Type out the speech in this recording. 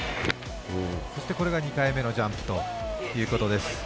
これが２回目のジャンプということです。